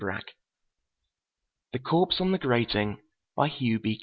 The Corpse on the Grating By Hugh B.